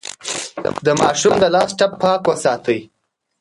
د ماشوم د لاس ټپ پاک وساتئ.